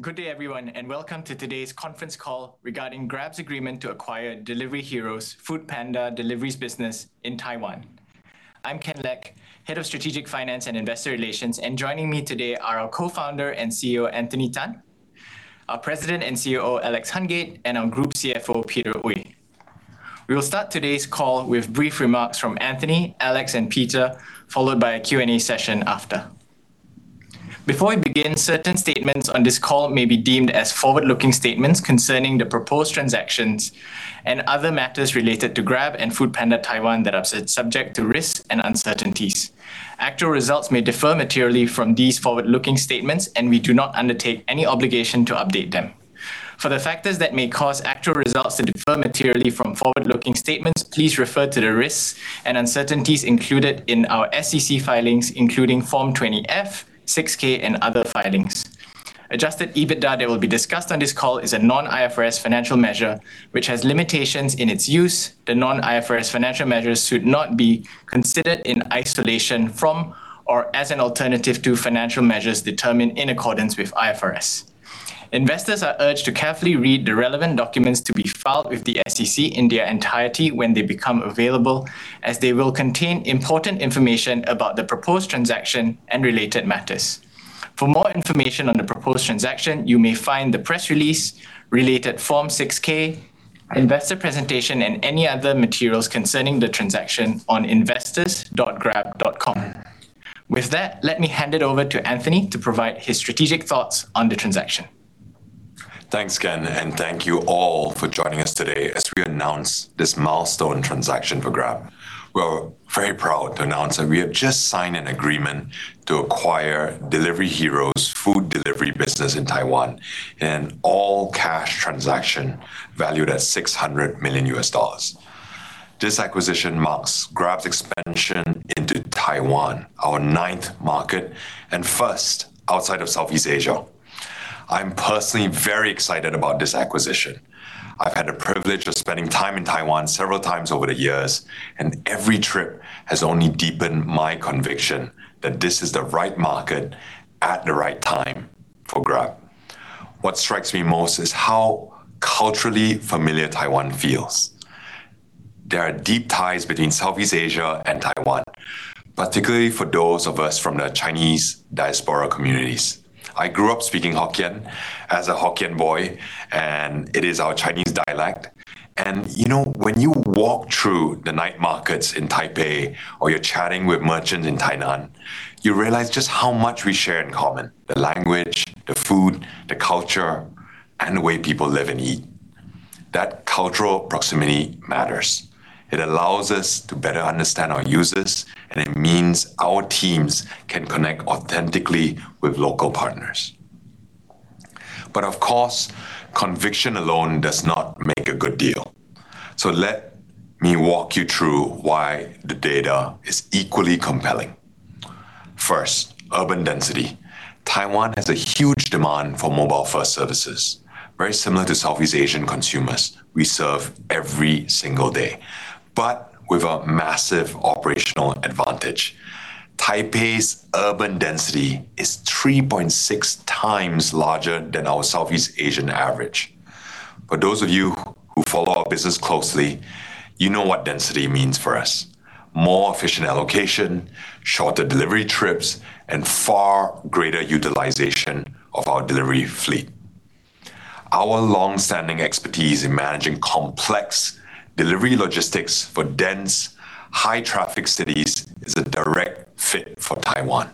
Good day everyone and welcome to today's conference call regarding Grab's agreement to acquire Delivery Hero's foodpanda delivery business in Taiwan. I'm Ken Leck, Head of Strategic Finance and Investor Relations, and joining me today are our Co-Founder and CEO, Anthony Tan, our President and COO, Alex Hungate, and our Group CFO, Peter Oey. We will start today's call with brief remarks from Anthony, Alex, and Peter, followed by a Q&A session after. Before we begin, certain statements on this call may be deemed as forward-looking statements concerning the proposed transactions and other matters related to Grab and foodpanda Taiwan that are subject to risks and uncertainties. Actual results may differ materially from these forward-looking statements, and we do not undertake any obligation to update them. For the factors that may cause actual results to differ materially from forward-looking statements, please refer to the risks and uncertainties included in our SEC filings, including Form 20-F, 6-K, and other filings. Adjusted EBITDA that will be discussed on this call is a non-IFRS financial measure, which has limitations in its use. The non-IFRS financial measures should not be considered in isolation from or as an alternative to financial measures determined in accordance with IFRS. Investors are urged to carefully read the relevant documents to be filed with the SEC in their entirety when they become available, as they will contain important information about the proposed transaction and related matters. For more information on the proposed transaction, you may find the press release, related Form 6-K, investor presentation, and any other materials concerning the transaction on investors.grab.com. With that, let me hand it over to Anthony to provide his strategic thoughts on the transaction. Thanks, Ken, and thank you all for joining us today as we announce this milestone transaction for Grab. We're very proud to announce that we have just signed an agreement to acquire Delivery Hero's food delivery business in Taiwan in an all-cash transaction valued at $600 million. This acquisition marks Grab's expansion into Taiwan, our ninth market and first outside of Southeast Asia. I'm personally very excited about this acquisition. I've had the privilege of spending time in Taiwan several times over the years, and every trip has only deepened my conviction that this is the right market at the right time for Grab. What strikes me most is how culturally familiar Taiwan feels. There are deep ties between Southeast Asia and Taiwan, particularly for those of us from the Chinese diaspora communities. I grew up speaking Hokkien as a Hokkien boy, and it is our Chinese dialect. You know, when you walk through the night markets in Taipei or you're chatting with merchants in Tainan, you realize just how much we share in common, the language, the food, the culture, and the way people live and eat. That cultural proximity matters. It allows us to better understand our users, and it means our teams can connect authentically with local partners. Of course, conviction alone does not make a good deal. Let me walk you through why the data is equally compelling. First, urban density. Taiwan has a huge demand for mobile-first services, very similar to Southeast Asian consumers we serve every single day, but with a massive operational advantage. Taipei's urban density is 3.6x larger than our Southeast Asian average. For those of you who follow our business closely, you know what density means for us. More efficient allocation, shorter delivery trips, and far greater utilization of our delivery fleet. Our long-standing expertise in managing complex delivery logistics for dense, high-traffic cities is a direct fit for Taiwan.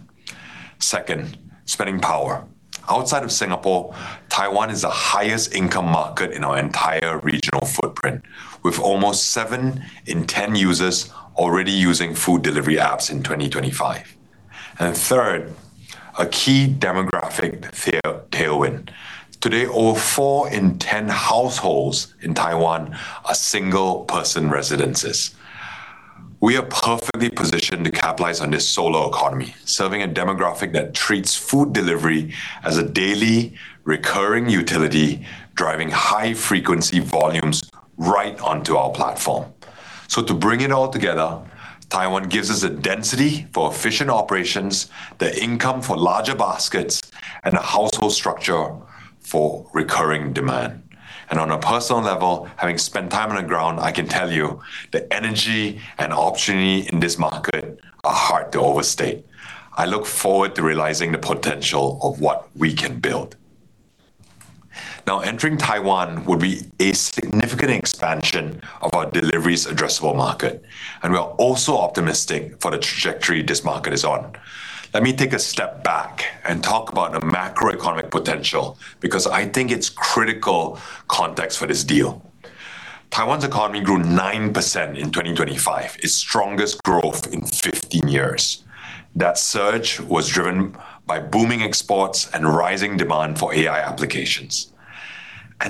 Second, spending power. Outside of Singapore, Taiwan is the highest income market in our entire regional footprint, with almost seven in 10 users already using food delivery apps in 2025. Third, a key demographic fair tailwind. Today, over four in 10 households in Taiwan are single-person residences. We are perfectly positioned to capitalize on this solo economy, serving a demographic that treats food delivery as a daily recurring utility, driving high-frequency volumes right onto our platform. To bring it all together, Taiwan gives us a density for efficient operations, the income for larger baskets, and a household structure for recurring demand. On a personal level, having spent time on the ground, I can tell you the energy and opportunity in this market are hard to overstate. I look forward to realizing the potential of what we can build. Now, entering Taiwan would be a significant expansion of our deliveries addressable market, and we are also optimistic for the trajectory this market is on. Let me take a step back and talk about the macroeconomic potential because I think it's critical context for this deal. Taiwan's economy grew 9% in 2025, its strongest growth in 15 years. That surge was driven by booming exports and rising demand for AI applications.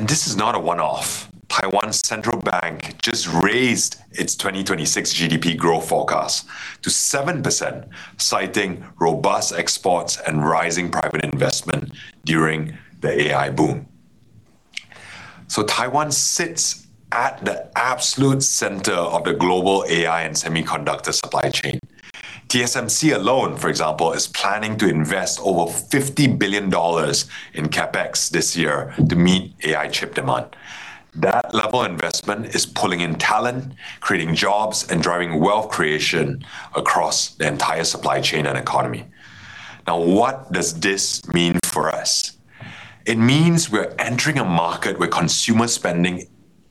This is not a one-off. Taiwan's central bank just raised its 2026 GDP growth forecast to 7%, citing robust exports and rising private investment during the AI boom. Taiwan sits at the absolute center of the global AI and semiconductor supply chain. TSMC alone, for example, is planning to invest over $50 billion in CapEx this year to meet AI chip demand. That level of investment is pulling in talent, creating jobs, and driving wealth creation across the entire supply chain and economy. Now, what does this mean for us? It means we're entering a market where consumer spending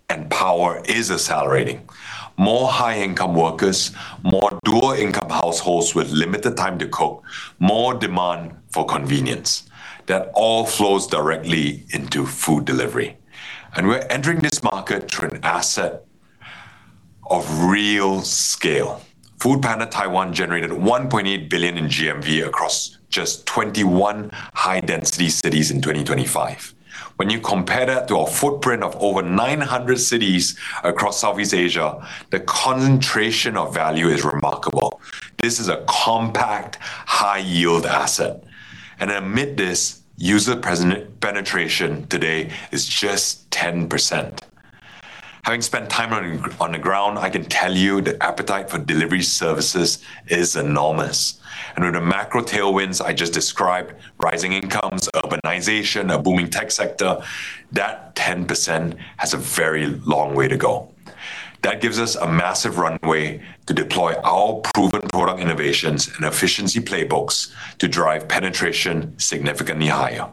and power is accelerating. More high-income workers, more dual-income households with limited time to cope, more demand for convenience. That all flows directly into food delivery. We're entering this market through an asset of real scale. foodpanda Taiwan generated $1.8 billion in GMV across just 21 high-density cities in 2025. When you compare that to our footprint of over 900 cities across Southeast Asia, the concentration of value is remarkable. This is a compact, high-yield asset. Amid this, user penetration today is just 10%. Having spent time on the ground, I can tell you the appetite for delivery services is enormous. With the macro tailwinds I just described, rising incomes, urbanization, a booming tech sector, that 10% has a very long way to go. That gives us a massive runway to deploy our proven product innovations and efficiency playbooks to drive penetration significantly higher.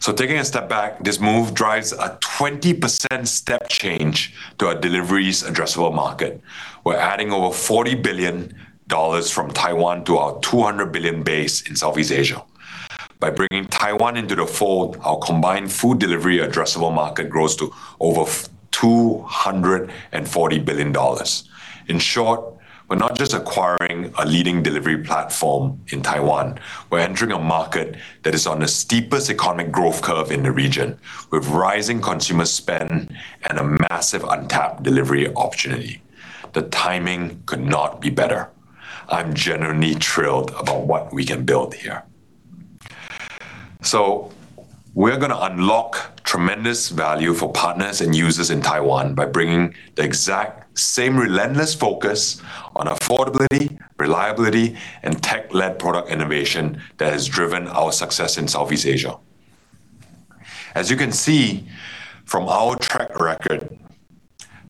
Taking a step back, this move drives a 20% step change to our delivery's addressable market. We're adding over $40 billion from Taiwan to our $200 billion base in Southeast Asia. By bringing Taiwan into the fold, our combined food delivery addressable market grows to over $240 billion. In short, we're not just acquiring a leading delivery platform in Taiwan. We're entering a market that is on the steepest economic growth curve in the region, with rising consumer spend and a massive untapped delivery opportunity. The timing could not be better. I'm genuinely thrilled about what we can build here. We're gonna unlock tremendous value for partners and users in Taiwan by bringing the exact same relentless focus on affordability, reliability, and tech-led product innovation that has driven our success in Southeast Asia. As you can see from our track record,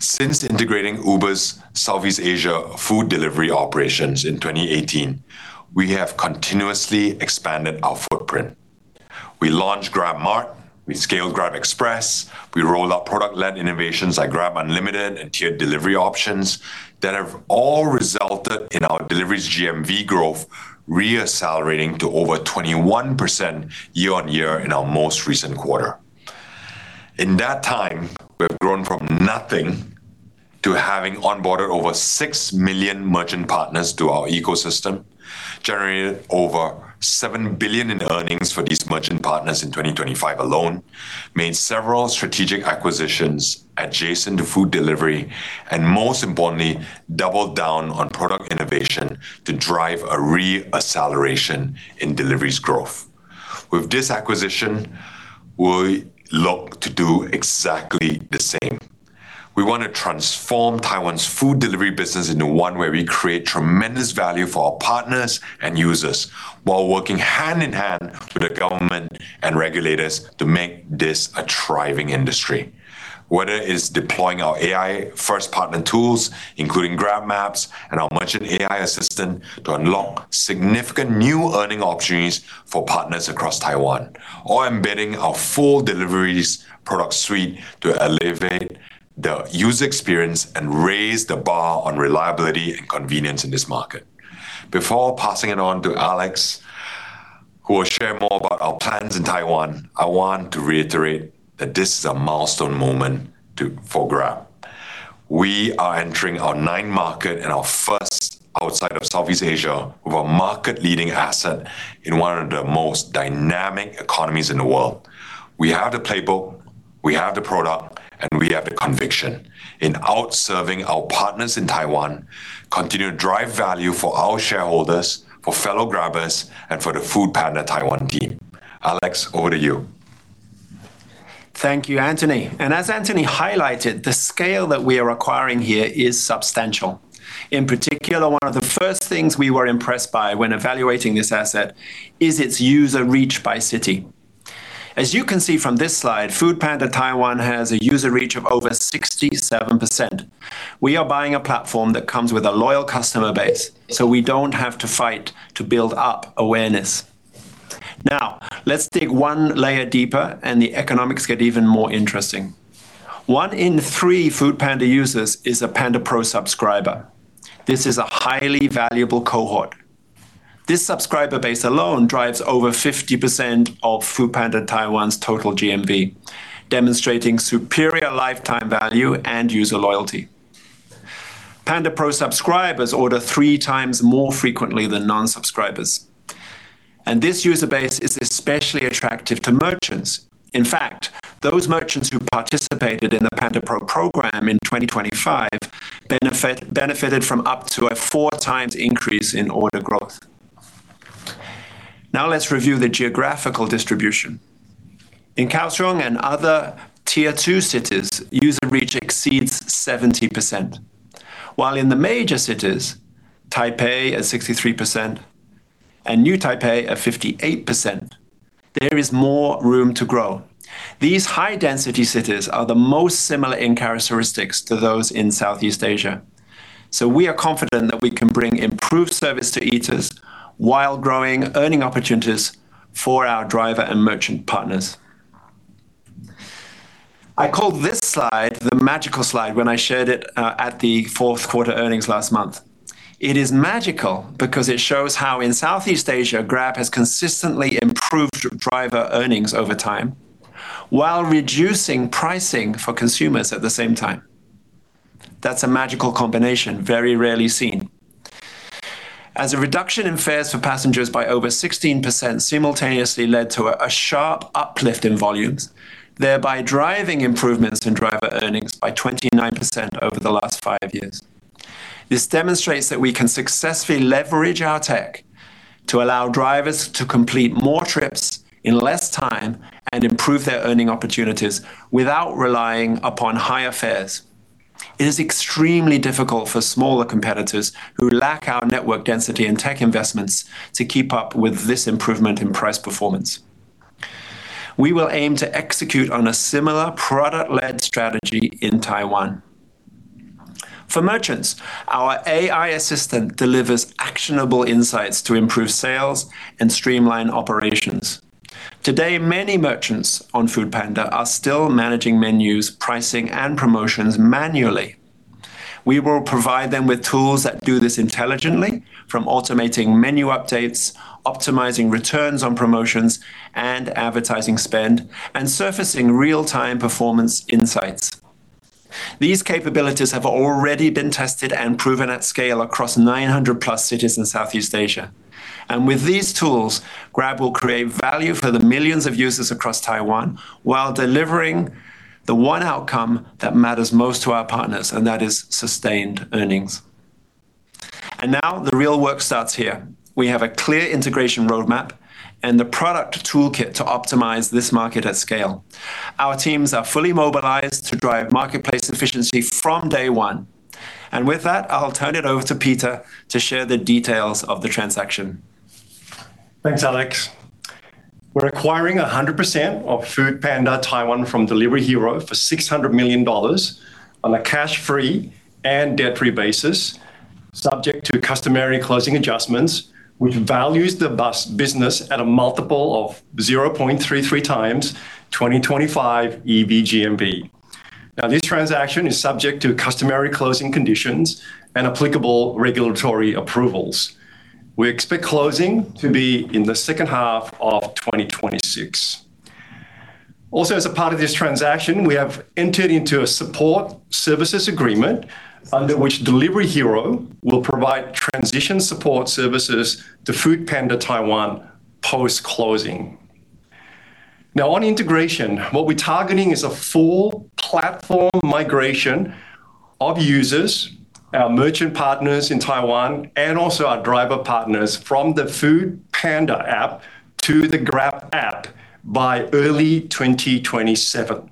since integrating Uber's Southeast Asia food delivery operations in 2018, we have continuously expanded our footprint. We launched GrabMart, we scaled GrabExpress, we rolled out product-led innovations like GrabUnlimited and tiered delivery options that have all resulted in our deliveries GMV growth re-accelerating to over 21% year-on-year in our most recent quarter. In that time, we've grown from nothing to having onboarded over 6 million merchant partners to our ecosystem, generated over $7 billion in earnings for these merchant partners in 2025 alone, made several strategic acquisitions adjacent to food delivery, and most importantly, doubled down on product innovation to drive a re-acceleration in deliveries growth. With this acquisition, we look to do exactly the same. We wanna transform Taiwan's food delivery business into one where we create tremendous value for our partners and users while working hand in hand with the government and regulators to make this a thriving industry. Whether it is deploying our AI-first partner tools, including GrabMaps and our AI Merchant Assistant, to unlock significant new earning opportunities for partners across Taiwan or embedding our full deliveries product suite to elevate the user experience and raise the bar on reliability and convenience in this market. Before passing it on to Alex, who will share more about our plans in Taiwan, I want to reiterate that this is a milestone moment for Grab. We are entering our ninth market and our first outside of Southeast Asia with a market-leading asset in one of the most dynamic economies in the world. We have the playbook, we have the product, and we have the conviction in out-serving our partners in Taiwan, continue to drive value for our shareholders, for fellow Grabbers, and for the foodpanda Taiwan team. Alex, over to you. Thank you, Anthony. As Anthony highlighted, the scale that we are acquiring here is substantial. In particular, one of the first things we were impressed by when evaluating this asset is its user reach by city. As you can see from this slide, foodpanda Taiwan has a user reach of over 67%. We are buying a platform that comes with a loyal customer base, so we don't have to fight to build up awareness. Now, let's dig one layer deeper and the economics get even more interesting. 1/3 foodpanda users is a pandapro subscriber. This is a highly valuable cohort. This subscriber base alone drives over 50% of foodpanda Taiwan's total GMV, demonstrating superior lifetime value and user loyalty. Pandapro subscribers order 3x more frequently than non-subscribers, and this user base is especially attractive to merchants. In fact, those merchants who participated in the pandapro program in 2025 benefited from up to a 4x increase in order growth. Now let's review the geographical distribution. In Kaohsiung and other tier two cities, user reach exceeds 70%, while in the major cities, Taipei at 63% and New Taipei at 58%, there is more room to grow. These high-density cities are the most similar in characteristics to those in Southeast Asia. We are confident that we can bring improved service to eaters while growing earning opportunities for our driver and merchant partners. I called this slide the magical slide when I shared it at the fourth quarter earnings last month. It is magical because it shows how in Southeast Asia, Grab has consistently improved driver earnings over time, while reducing pricing for consumers at the same time. That's a magical combination, very rarely seen. As a reduction in fares for passengers by over 16% simultaneously led to a sharp uplift in volumes, thereby driving improvements in driver earnings by 29% over the last five years. This demonstrates that we can successfully leverage our tech to allow drivers to complete more trips in less time and improve their earning opportunities without relying upon higher fares. It is extremely difficult for smaller competitors who lack our network density and tech investments to keep up with this improvement in price performance. We will aim to execute on a similar product-led strategy in Taiwan. For merchants, our AI assistant delivers actionable insights to improve sales and streamline operations. Today, many merchants on foodpanda are still managing menus, pricing, and promotions manually. We will provide them with tools that do this intelligently, from automating menu updates, optimizing returns on promotions and advertising spend, and surfacing real-time performance insights. These capabilities have already been tested and proven at scale across 900+ cities in Southeast Asia. With these tools, Grab will create value for the millions of users across Taiwan while delivering the one outcome that matters most to our partners, and that is sustained earnings. Now the real work starts here. We have a clear integration roadmap and the product toolkit to optimize this market at scale. Our teams are fully mobilized to drive marketplace efficiency from day one. With that, I'll turn it over to Peter to share the details of the transaction. Thanks, Alex. We're acquiring 100% of foodpanda Taiwan from Delivery Hero for $600 million on a cash-free and debt-free basis, subject to customary closing adjustments, which values the business at a multiple of 0.33x 2025 EV/GMV. This transaction is subject to customary closing conditions and applicable regulatory approvals. We expect closing to be in the second half of 2026. Also, as a part of this transaction, we have entered into a support services agreement under which Delivery Hero will provide transition support services to foodpanda Taiwan post-closing. On integration, what we're targeting is a full platform migration of users, our merchant partners in Taiwan, and also our driver partners from the foodpanda app to the Grab app by early 2027.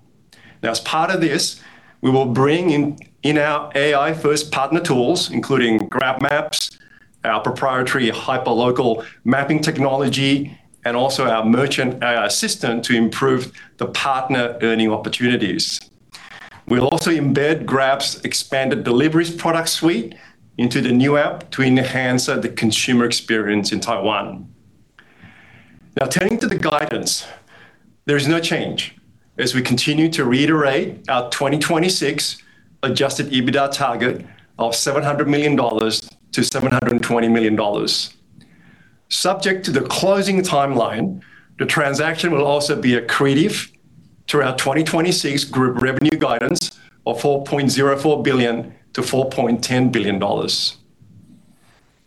Now, as part of this, we will bring in our AI-first partner tools, including GrabMaps, our proprietary hyperlocal mapping technology, and also our AI Merchant Assistant to improve the partner earning opportunities. We'll also embed Grab's expanded deliveries product suite into the new app to enhance the consumer experience in Taiwan. Now, turning to the guidance, there is no change as we continue to reiterate our 2026 Adjusted EBITDA target of $700 million-$720 million. Subject to the closing timeline, the transaction will also be accretive to our 2026 group revenue guidance of $4.04 billion-$4.10 billion.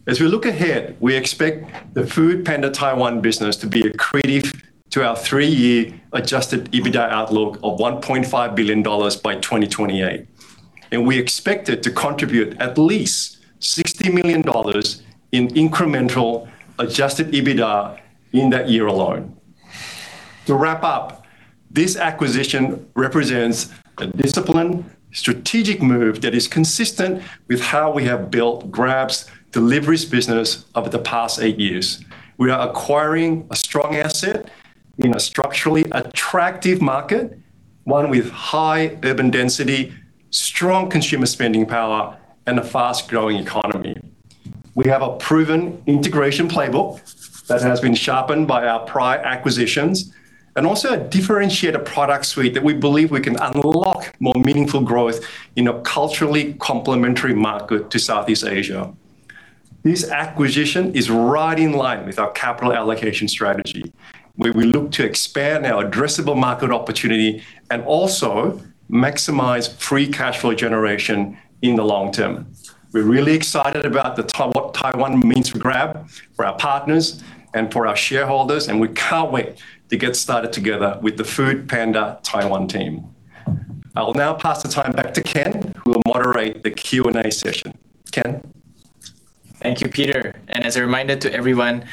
As we look ahead, we expect the foodpanda Taiwan business to be accretive to our three-year Adjusted EBITDA outlook of $1.5 billion by 2028, and we expect it to contribute at least $60 million in incremental Adjusted EBITDA in that year alone. To wrap up, this acquisition represents a disciplined, strategic move that is consistent with how we have built Grab's deliveries business over the past eight years. We are acquiring a strong asset in a structurally attractive market, one with high urban density, strong consumer spending power, and a fast-growing economy. We have a proven integration playbook that has been sharpened by our prior acquisitions, and also a differentiated product suite that we believe we can unlock more meaningful growth in a culturally complementary market to Southeast Asia. This acquisition is right in line with our capital allocation strategy, where we look to expand our addressable market opportunity and also maximize free cash flow generation in the long term. We're really excited about what Taiwan means for Grab, for our partners, and for our shareholders, and we can't wait to get started together with the foodpanda Taiwan team. I will now pass the time back to Ken, who will moderate the Q&A session. Ken? Thank you, Peter. As a reminder to everyone,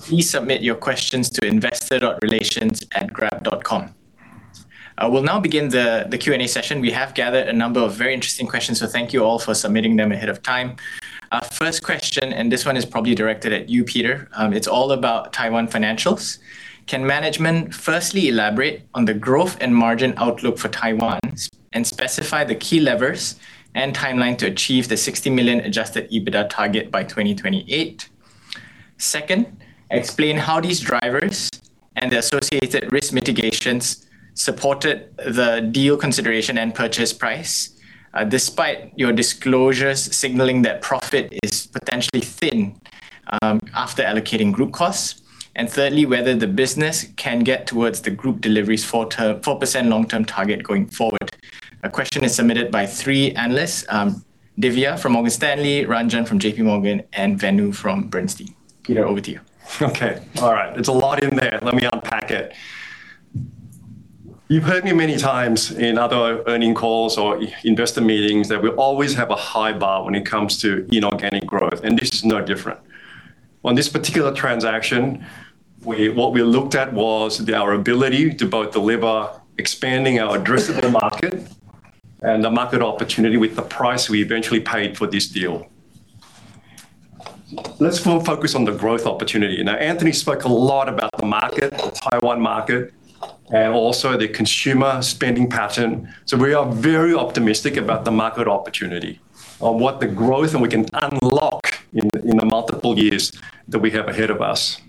please submit your questions to investor.relations@grab.com. We'll now begin the Q&A session. We have gathered a number of very interesting questions, so thank you all for submitting them ahead of time. Our first question, this one is probably directed at you, Peter, it's all about Taiwan financials. Can management firstly elaborate on the growth and margin outlook for Taiwan's and specify the key levers and timeline to achieve the 60 million Adjusted EBITDA target by 2028? Second, explain how these drivers and the associated risk mitigations supported the deal consideration and purchase price, despite your disclosures signaling that profit is potentially thin, after allocating group costs. Thirdly, whether the business can get towards the group delivery's 4% long-term target going forward. Our question is submitted by three analysts, Divya from Morgan Stanley, Ranjan from JPMorgan, and Venu from Bernstein. Peter, over to you. Okay. All right. It's a lot in there. Let me unpack it. You've heard me many times in other earnings calls or investor meetings that we always have a high bar when it comes to inorganic growth, and this is no different. On this particular transaction, what we looked at was our ability to both deliver expanding our addressable market and the market opportunity with the price we eventually paid for this deal. Let's fully focus on the growth opportunity. Now, Anthony spoke a lot about the market, the Taiwan market, and also the consumer spending pattern. We are very optimistic about the market opportunity on what the growth and we can unlock in the multiple years that we have ahead of us.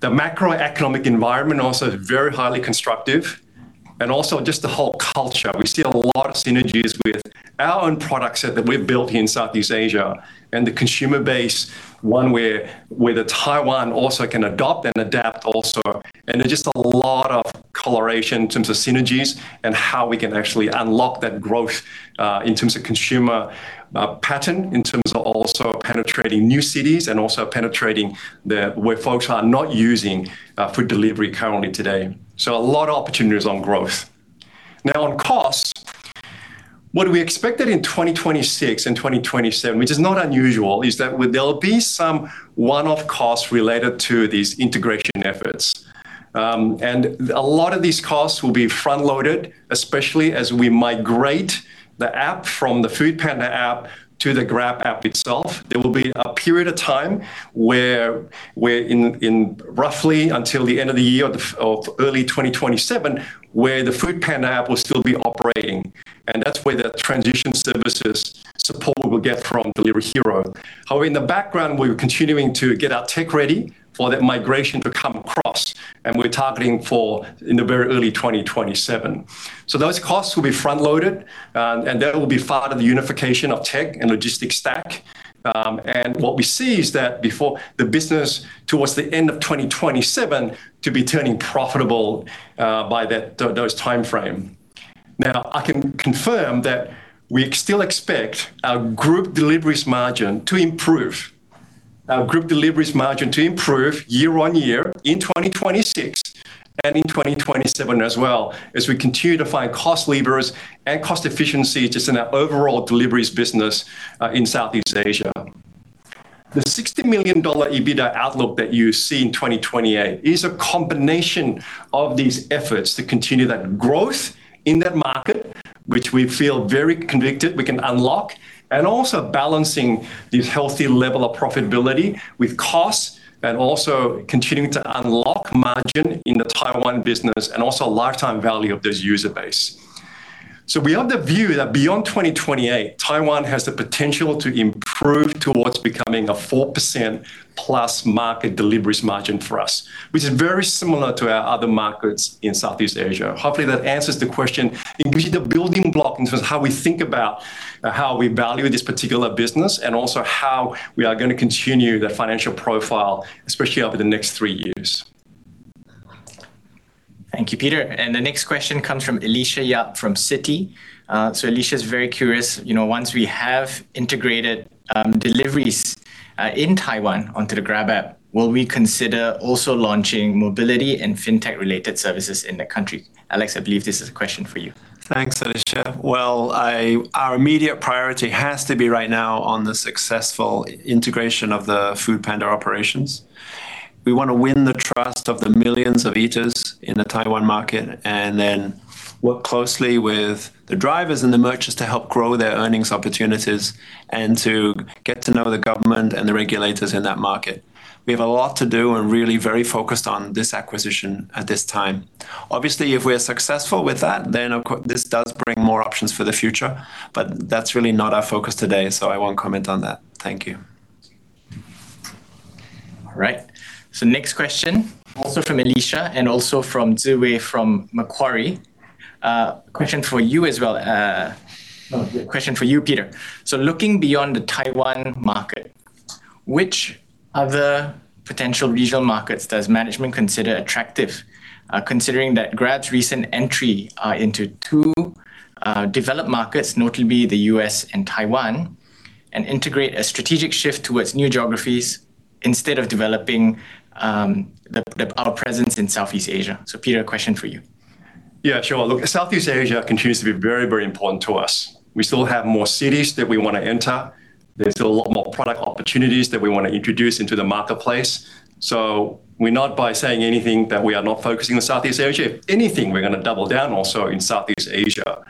The macroeconomic environment also is very highly constructive and also just the whole culture. We see a lot of synergies with our own products that we've built here in Southeast Asia and the consumer base, one where Taiwan also can adopt and adapt also. There's just a lot of correlation in terms of synergies and how we can actually unlock that growth, in terms of consumer pattern, in terms of also penetrating new cities, and also penetrating where folks are not using food delivery currently today. A lot of opportunities on growth. Now, on costs, what we expected in 2026 and 2027, which is not unusual, is that there'll be some one-off costs related to these integration efforts. A lot of these costs will be front-loaded, especially as we migrate the app from the foodpanda app to the Grab app itself. There will be a period of time where in roughly until the end of the year or early 2027, where the foodpanda app will still be operating, and that's where the transition services support we'll get from Delivery Hero. However, in the background, we're continuing to get our tech ready for that migration to come across, and we're targeting for in the very early 2027. Those costs will be front-loaded, and that will be part of the unification of tech and logistics stack. What we see is that before the business towards the end of 2027 to be turning profitable by that timeframe. Now, I can confirm that we still expect our group deliveries margin to improve. Our group deliveries margin to improve year-on-year in 2026 and in 2027 as well as we continue to find cost levers and cost efficiency just in our overall deliveries business in Southeast Asia. The $60 million EBITDA outlook that you see in 2028 is a combination of these efforts to continue that growth in that market, which we feel very convicted we can unlock, and also balancing this healthy level of profitability with costs and also continuing to unlock margin in the Taiwan business and also lifetime value of this user base. We have the view that beyond 2028, Taiwan has the potential to improve towards becoming a 4%+ market deliveries margin for us, which is very similar to our other markets in Southeast Asia. Hopefully, that answers the question. It will be the building block in terms of how we think about how we value this particular business and also how we are gonna continue the financial profile, especially over the next three years. Thank you, Peter. The next question comes from Alicia Yap from Citi. Alicia's very curious, you know, once we have integrated deliveries in Taiwan onto the Grab app, will we consider also launching mobility and fintech-related services in the country? Alex, I believe this is a question for you. Thanks, Alicia. Well, our immediate priority has to be right now on the successful integration of the foodpanda operations. We wanna win the trust of the millions of eaters in the Taiwan market and then work closely with the drivers and the merchants to help grow their earnings opportunities and to get to know the government and the regulators in that market. We have a lot to do and really very focused on this acquisition at this time. Obviously, if we're successful with that, then this does bring more options for the future, but that's really not our focus today, so I won't comment on that. Thank you. All right. Next question also from Alicia and also from Wei Fang from Macquarie. Question for you, Peter. Looking beyond the Taiwan market, which other potential regional markets does management consider attractive, considering that Grab's recent entry into two developed markets, notably the U.S. and Taiwan, and integrate a strategic shift towards new geographies? Instead of developing our presence in Southeast Asia. Peter, a question for you. Yeah, sure. Look, Southeast Asia continues to be very, very important to us. We still have more cities that we wanna enter. There's still a lot more product opportunities that we wanna introduce into the marketplace. We're not by saying anything that we are not focusing on Southeast Asia. If anything, we're gonna double down also in Southeast Asia.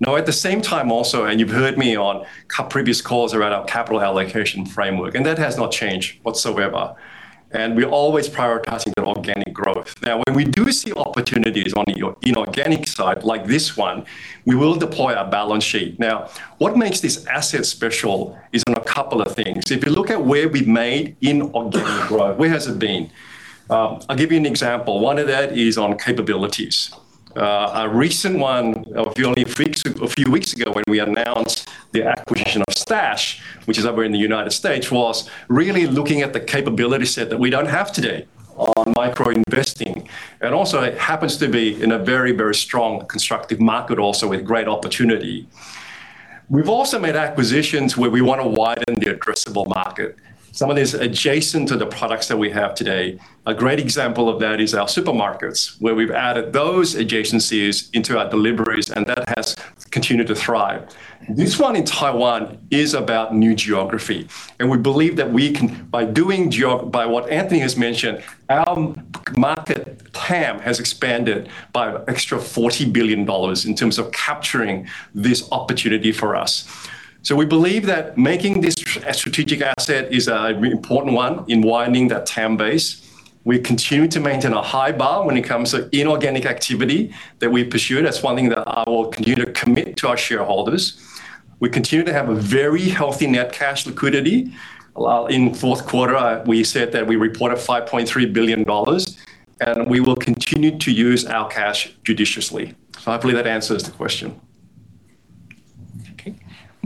Now, at the same time also, and you've heard me on previous calls around our capital allocation framework, and that has not changed whatsoever, and we're always prioritizing the organic growth. Now, when we do see opportunities on the inorganic side like this one, we will deploy our balance sheet. Now, what makes this asset special is on a couple of things. If you look at where we've made inorganic growth, where has it been? I'll give you an example. One of that is on capabilities. A recent one a few weeks ago when we announced the acquisition of Stash, which is over in the United States, was really looking at the capability set that we don't have today on micro-investing. Also it happens to be in a very, very strong constructive market also with great opportunity. We've also made acquisitions where we wanna widen the addressable market, some of these adjacent to the products that we have today. A great example of that is our supermarkets, where we've added those adjacencies into our deliveries, and that has continued to thrive. This one in Taiwan is about new geography, and we believe that we can by what Anthony has mentioned, our market TAM has expanded by extra $40 billion in terms of capturing this opportunity for us. We believe that making this a strategic asset is an important one in widening that TAM base. We continue to maintain a high bar when it comes to inorganic activity that we pursue. That's one thing that I will continue to commit to our shareholders. We continue to have a very healthy net cash liquidity. In fourth quarter, we said that we reported $5.3 billion, and we will continue to use our cash judiciously. Hopefully that answers the question.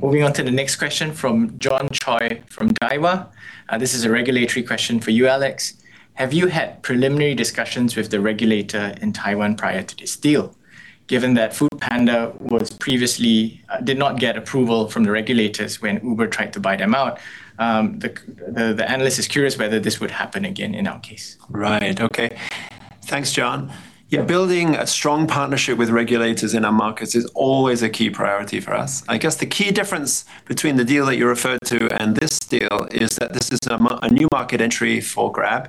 Okay. Moving on to the next question from John Choi from Daiwa. This is a regulatory question for you, Alex. Have you had preliminary discussions with the regulator in Taiwan prior to this deal, given that foodpanda previously did not get approval from the regulators when Uber tried to buy them out? The analyst is curious whether this would happen again in our case. Right. Okay. Thanks, John. Yeah, building a strong partnership with regulators in our markets is always a key priority for us. I guess the key difference between the deal that you referred to and this deal is that this is a new market entry for Grab.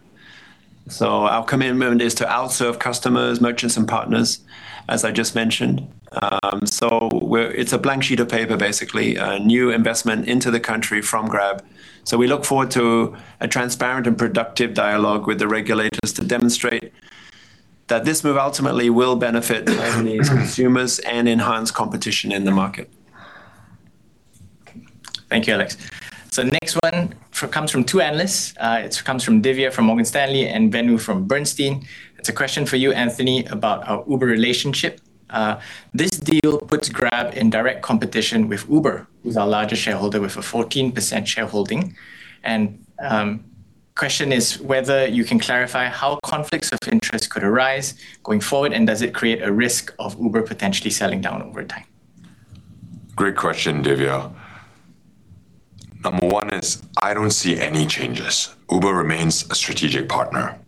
Our commitment is to outserve customers, merchants and partners, as I just mentioned. It's a blank sheet of paper, basically, a new investment into the country from Grab. We look forward to a transparent and productive dialogue with the regulators to demonstrate that this move ultimately will benefit Taiwanese consumers and enhance competition in the market. Thank you, Alex. The next one comes from two analysts. It comes from Divya from Morgan Stanley and Venu from Bernstein. It's a question for you, Anthony, about our Uber relationship. This deal puts Grab in direct competition with Uber, who's our largest shareholder with a 14% shareholding. The question is whether you can clarify how conflicts of interest could arise going forward, and does it create a risk of Uber potentially selling down over time? Great question, Divya. Number one is I don't see any changes. Uber remains a strategic partner.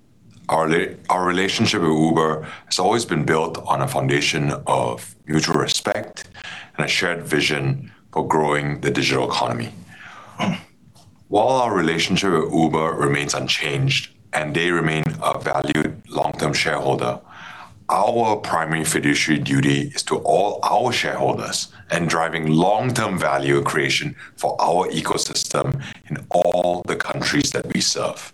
Our relationship with Uber has always been built on a foundation of mutual respect and a shared vision for growing the digital economy. While our relationship with Uber remains unchanged and they remain a valued long-term shareholder, our primary fiduciary duty is to all our shareholders and driving long-term value creation for our ecosystem in all the countries that we serve.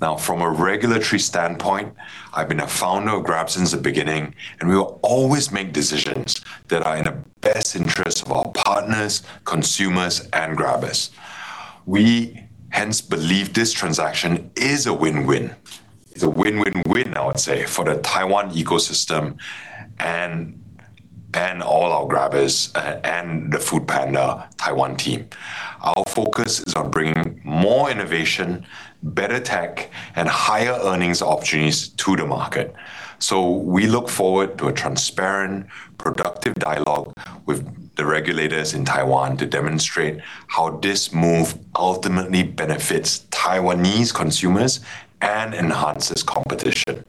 Now, from a regulatory standpoint, I've been a founder of Grab since the beginning, and we will always make decisions that are in the best interest of our partners, consumers and Grabbers. We hence believe this transaction is a win-win. It's a win-win-win, I would say, for the Taiwan ecosystem and all our Grabbers and the foodpanda Taiwan team. Our focus is on bringing more innovation, better tech, and higher earnings opportunities to the market. We look forward to a transparent, productive dialogue with the regulators in Taiwan to demonstrate how this move ultimately benefits Taiwanese consumers and enhances competition.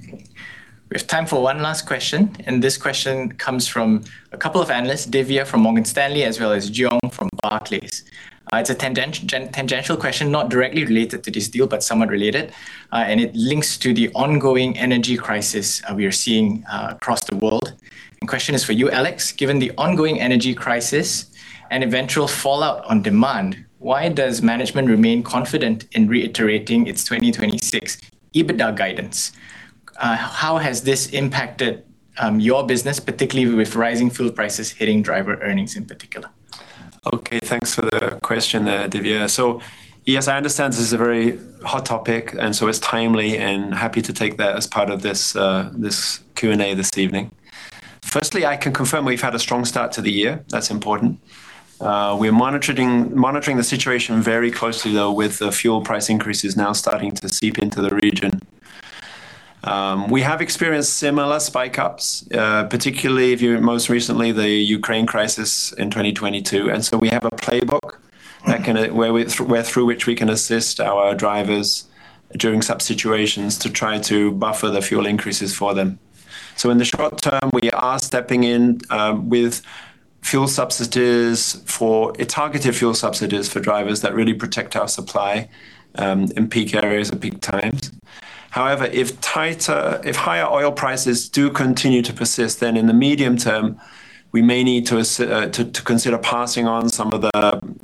We have time for one last question, and this question comes from a couple of analysts, Divya from Morgan Stanley, as well as Jiong Shao from Barclays. It's a tangential question, not directly related to this deal, but somewhat related, and it links to the ongoing energy crisis we are seeing across the world. Question is for you, Alex. Given the ongoing energy crisis and eventual fallout on demand, why does management remain confident in reiterating its 2026 EBITDA guidance? How has this impacted your business, particularly with rising fuel prices hitting driver earnings in particular? Okay, thanks for the question there, Divya. Yes, I understand this is a very hot topic, and it's timely and happy to take that as part of this Q&A this evening. Firstly, I can confirm we've had a strong start to the year. That's important. We're monitoring the situation very closely, though, with the fuel price increases now starting to seep into the region. We have experienced similar spike ups, particularly most recently, the Ukraine crisis in 2022. We have a playbook through which we can assist our drivers during such situations to try to buffer the fuel increases for them. In the short term, we are stepping in with targeted fuel subsidies for drivers that really protect our supply in peak areas and peak times. However, if higher oil prices do continue to persist, then in the medium term, we may need to assess to consider passing on some of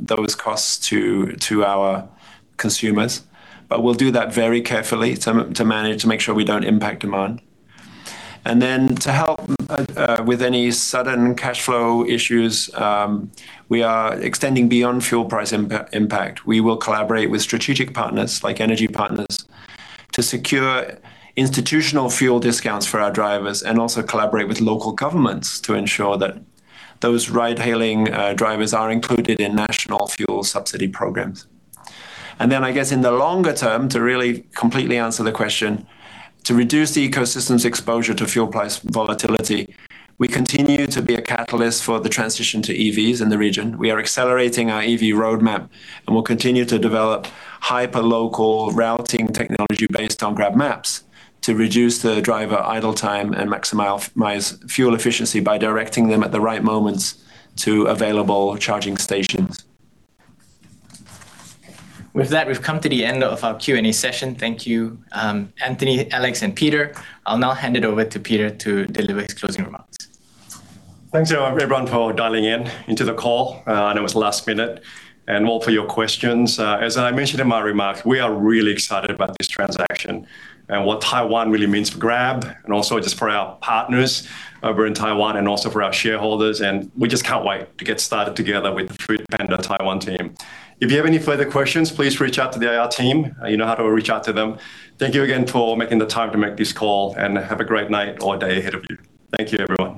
those costs to our consumers. We'll do that very carefully to manage to make sure we don't impact demand. To help with any sudden cash flow issues, we are extending beyond fuel price impact. We will collaborate with strategic partners, like energy partners, to secure institutional fuel discounts for our drivers and also collaborate with local governments to ensure that those ride-hailing drivers are included in national fuel subsidy programs. I guess in the longer term, to really completely answer the question, to reduce the ecosystem's exposure to fuel price volatility, we continue to be a catalyst for the transition to EVs in the region. We are accelerating our EV roadmap, and we'll continue to develop hyperlocal routing technology based on GrabMaps to reduce the driver idle time and maximize fuel efficiency by directing them at the right moments to available charging stations. With that, we've come to the end of our Q&A session. Thank you, Anthony, Alex, and Peter. I'll now hand it over to Peter to deliver his closing remarks. Thanks, everyone, for dialing into the call. I know it's last minute, and all, for your questions. As I mentioned in my remarks, we are really excited about this transaction and what Taiwan really means for Grab and also just for our partners over in Taiwan and also for our shareholders. We just can't wait to get started together with the foodpanda Taiwan team. If you have any further questions, please reach out to the IR team. You know how to reach out to them. Thank you again for making the time to make this call, and have a great night or day ahead of you. Thank you, everyone.